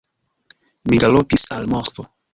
Mi galopis al Moskvo.